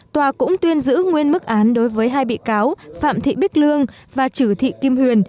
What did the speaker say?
tòa cũng tuyên giữ nguyên mức án đối với hai bị cáo phạm thị bích lương và chử thị kim huyền